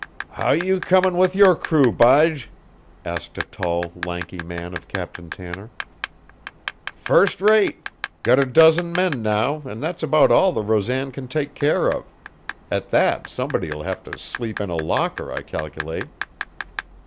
"How you comin' with your crew, Bige?" asked a tall, lanky man of Captain Tanner. "First rate. Got a dozen men now an' that's about all the Rosan can take care of. At that somebody'll have to sleep on a locker, I cal'late."